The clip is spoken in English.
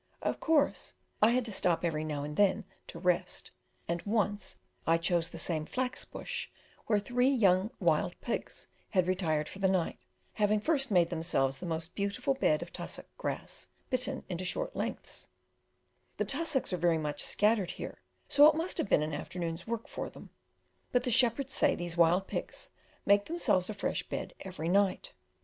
Of course I had to stop every now and then to rest, and once I chose the same flax bush where three young wild pigs had retired for the night, having first made themselves the most beautiful bed of tussock grass bitten into short lengths; the tussocks are very much scattered here, so it must have been an afternoon's work for them; but the shepherds say these wild pigs make themselves a fresh bed every night.